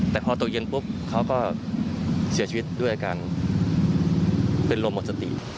แต่พอตกเย็นปุ๊บเขาก็เสียชีวิตด้วยอาการเป็นลมหมดสติ